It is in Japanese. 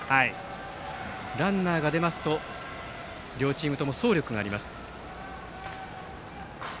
ランナーが出ますと両チームとも走力があります。